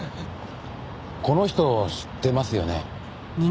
この人知ってますよね？